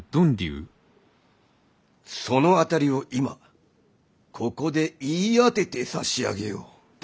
その当たりを今ここで言い当てて差し上げよう。